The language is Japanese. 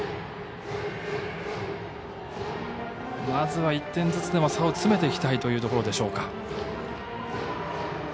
まずは１点ずつでも差を詰めていきたいところでしょうか。